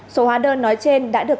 số hóa đơn nói trên đã được